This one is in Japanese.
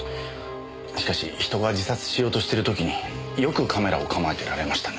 しかし人が自殺しようとしてる時によくカメラを構えてられましたね。